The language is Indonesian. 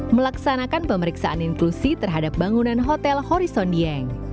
melaksanakan pemeriksaan inklusi terhadap bangunan hotel horizon dieng